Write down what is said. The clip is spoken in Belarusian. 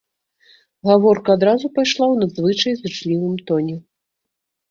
Гаворка адразу пайшла ў надзвычай зычлівым тоне.